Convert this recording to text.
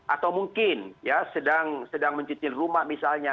atau mungkin ya sedang mencicil rumah misalnya